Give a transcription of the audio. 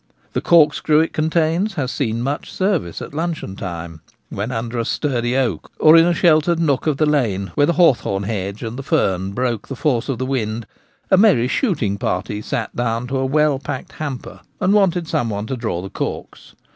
The corkscrew it contains has seen much service at luncheon time, when under a sturdy oak, or in a sheltered nook of the lane, where the hawthorn hedge and the fern broke the force of the wind, a merry shooting party sat down to a well packed hamper and wanted some one to draw the corks.